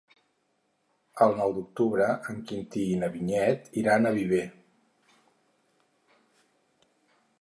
El nou d'octubre en Quintí i na Vinyet iran a Viver.